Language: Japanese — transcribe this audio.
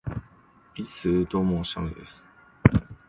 ｵｨｨｨｨｨｨｯｽ!どうもー、シャムでーす。